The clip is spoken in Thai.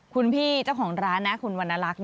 คุณพี่เจ้าของร้านนะคุณวันนารัก